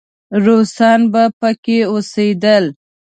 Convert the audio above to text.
روسان به پکې اوسېدل.